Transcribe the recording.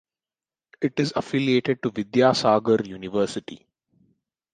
It is affiliated to Vidyasagar University.